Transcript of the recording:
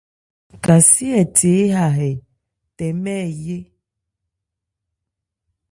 Kasé hɛ the éha hɛ, tɛmɛ ɛ yé.